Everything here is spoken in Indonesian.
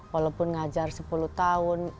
walaupun ngajar sepuluh tahun